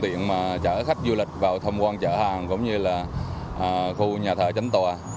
tiện mà chở khách du lịch vào thăm quan chợ hàng cũng như là khu nhà thợ tránh tòa